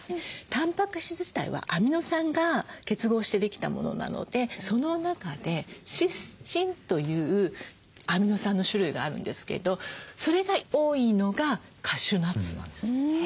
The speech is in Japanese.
たんぱく質自体はアミノ酸が結合してできたものなのでその中でシスチンというアミノ酸の種類があるんですけどそれが多いのがカシューナッツなんです。